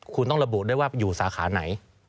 คุณต้องระบุด้วยว่าอยู่สาขาไหน